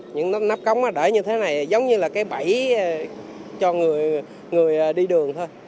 những cái nắp cống mà để như thế này giống như là cái bẫy cho người đi đường thôi